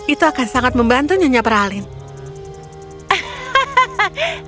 itu akan sangat membantu nyonya peralin